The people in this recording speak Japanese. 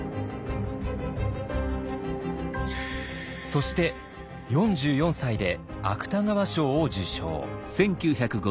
そして４４歳で芥川賞を受賞。